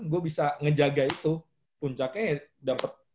gue bisa ngejaga itu puncaknya ya dapet